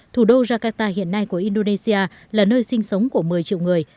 thủ đô jakarta hiện nay của indonesia là nơi sinh sống của một mươi triệu người